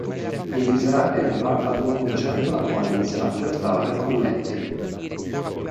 Inviterà Eva ad un concerto la quale inizierà a flirtare con Matty.